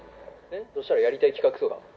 「そしたらやりたい企画とか」